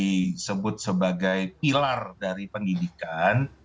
disebut sebagai pilar dari pendidikan